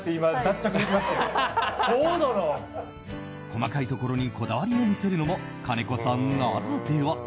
細かいところにこだわりを見せるのも金子さんならでは。